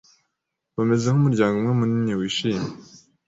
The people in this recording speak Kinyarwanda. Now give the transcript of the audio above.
Bameze nkumuryango umwe munini wishimye.